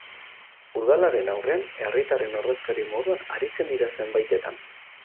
Udalaren aurrean herritarren ordezkari moduan aritzen dira zenbaitetan.